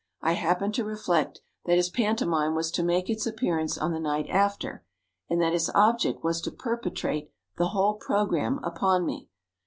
I happened to reflect that his pantomime was to make its appearance on the night after, and that his object was to perpetrate the whole programme upon me.